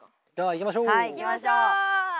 行きましょう！